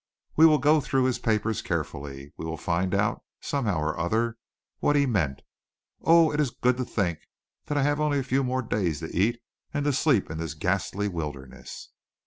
"We will go through his papers carefully. We will find out, somehow or other, what he meant. Oh! It is good to think that I have only a few more days to eat and to sleep in this ghastly wilderness."